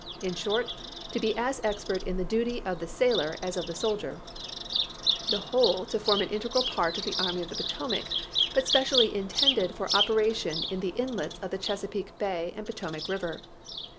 in short, to be as expert in the duty of the sailor as of the soldier ; the whole to form an integral part of the Army of the Potomac, but specially intended for operation in the inlets of the Chesapeake Bay and Potomac River.